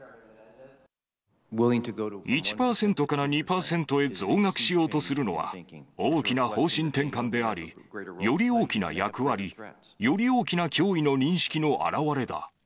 １％から２％へ増額しようとするのは、大きな方針転換であり、より大きな役割、より大きな脅威の認識の表れだ。